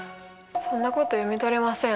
そんなこと読み取れません。